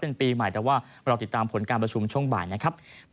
เป็นปีใหม่แต่ว่าเราติดตามผลการประชุมช่วงบ่ายนะครับ